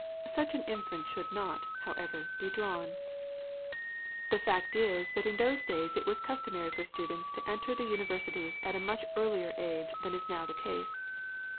Such an inference should not, however, be drawn. The fact is that in those days it was customary for students to enter the universities at a much earlier age than is now the case.